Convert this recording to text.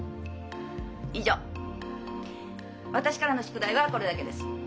以上私からの宿題はこれだけです。